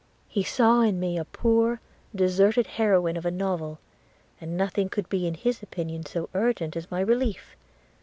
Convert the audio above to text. He saw in me a poor, deserted heroine of a novel, and nothing could be in his opinion so urgent as my relief.